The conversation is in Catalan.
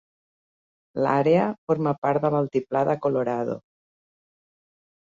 L'àrea forma part de l'altiplà de Colorado.